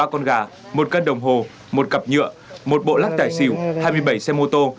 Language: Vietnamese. ba con gà một cân đồng hồ một cặp nhựa một bộ lắc tài xỉu hai mươi bảy xe mô tô